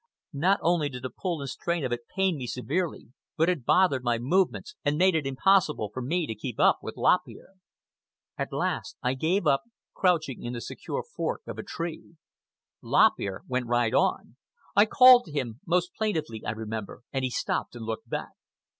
Not only did the pull and strain of it pain me severely, but it bothered my movements and made it impossible for me to keep up with Lop Ear. At last I gave up, crouching in the secure fork of a tree. Lop Ear went right on. I called to him—most plaintively, I remember; and he stopped and looked back.